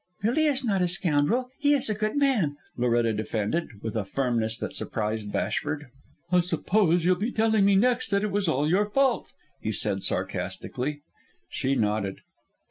"Billy is not a scoundrel; he is a good man," Loretta defended, with a firmness that surprised Bashford. "I suppose you'll be telling me next that it was all your fault," he said sarcastically. She nodded.